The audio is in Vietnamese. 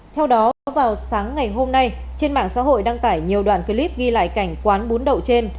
theo đó vào sáng ngày hôm nay trên mạng xã hội đăng tải nhiều đoạn clip ghi lại cảnh quán bún đậu trên